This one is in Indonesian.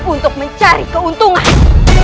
untuk mencari keuntungan